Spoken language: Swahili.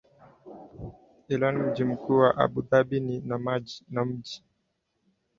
Iran Mji mkuu ni Abu Dhabi na mji